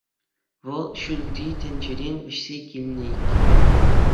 Вӑл ҫӳлти тӗнчерен вӗҫсе килнӗ иккен.